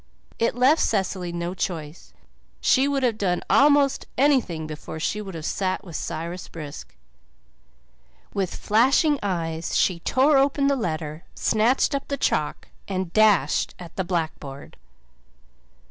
It left Cecily no choice. She would have done almost anything before she would have sat with Cyrus Brisk. With flashing eyes she tore open the letter, snatched up the chalk, and dashed at the blackboard.